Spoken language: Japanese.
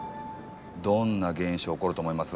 どんな現象起こると思います？